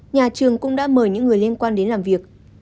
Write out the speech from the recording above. nhà trường cũng đã mời những người liên quan đến làm việc